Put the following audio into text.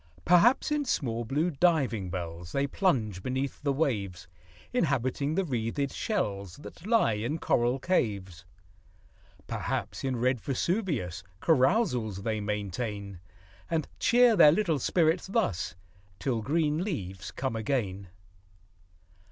Perhaps, in small, blue diving bells They plunge beneath the waves, Inhabiting the wreathed shells That lie in coral caves. Perhaps, in red Vesuvius Carousals they maintain ; And cheer their little spirits thus, Till green leaves come again.